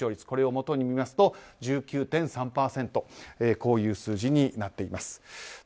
これをもとに見ますと１９．３％こういう数字になっています。